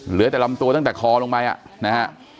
เหลือแต่ลำตัวตั้งแต่คอลงไปนะฮะ